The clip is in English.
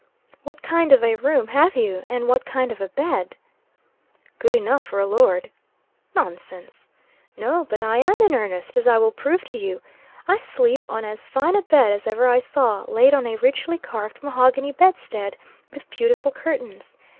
"What kind of a room have you? and what kind of a bed?" "Good enough for a lord." "Nonsense!" "No, but I am in earnest, as I will prove to you. I sleep on as fine a bed as ever I saw, laid on a richly carved mahogany bedstead, with beautiful curtains.